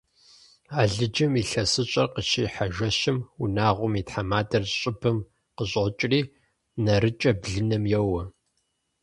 Алыджым илъэсыщӀэр къыщихьэ жэщым унагъуэм и тхьэмадэр щӀыбым къыщӀокӀри, нарыкӀэ блыным йоуэ.